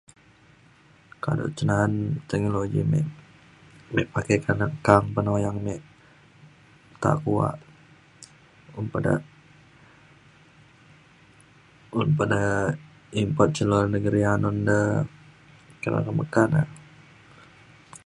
kado cen na’an teknologi me me pakai [unintelligible] ban uyang me ta kuak un pa da un pa da import cin luar negeri anun de kira kemeka na.